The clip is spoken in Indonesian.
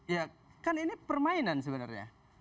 ya kan ini permainan sebenarnya